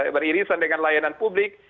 beririsan dengan layanan publik